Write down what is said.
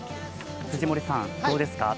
藤森さん、どうですか？